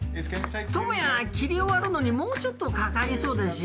トモヤ切り終わるのにもうちょっとかかりそうだし。